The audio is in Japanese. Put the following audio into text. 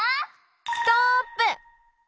ストップ！